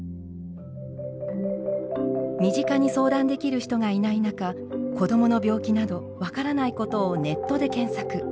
身近に相談できる人がいない中子供の病気など分からないことをネットで検索。